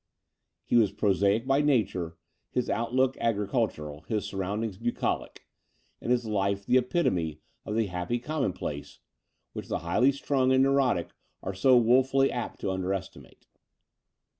He was prosaic by nature, his outlook agricultural, his surroundings bucolic, and his life the epitome of the happy commonplace, which the highly strung and neurotic are so woefully apt to underestimate.